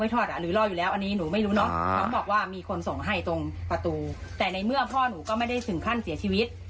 แต่ในเมื่อพ่อหนูก็ไม่ได้ถึงขั้นเสียชีวิต